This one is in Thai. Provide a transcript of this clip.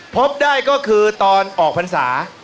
พบได้ก็คือตอนออกพรรษา